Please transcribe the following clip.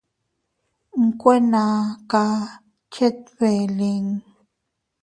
Nkueene kaʼa chet beʼe lin.